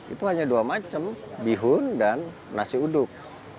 itu hanya dua macam bihun dan nasi uduk